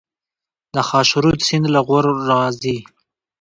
د خاشرود سیند له غور راځي